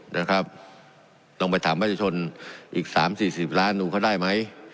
นะครับลองไปถามประชาชนอีกสามสี่สิบล้านดูเขาได้ไหม